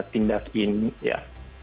tindak ini ya